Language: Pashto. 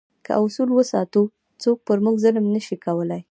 که اصول وساتو، څوک پر موږ ظلم نه شي کولای.